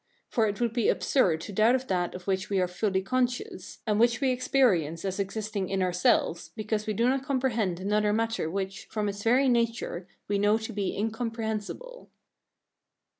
For it would be absurd to doubt of that of which we are fully conscious, and which we experience as existing in ourselves, because we do not comprehend another matter which, from its very nature, we know to be incomprehensible.